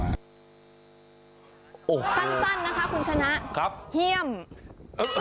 สั้นนะคะคุณชนะเหี้ยมครับโอ้โฮ